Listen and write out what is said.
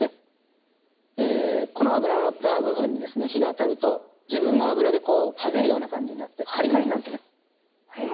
えこの脂ののった部分にですね火が当たると自分の脂ではぜるような感じになってはぜる。